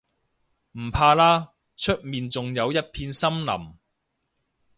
唔怕啦，出面仲有一片森林